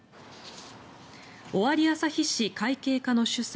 尾張旭市会計課の主査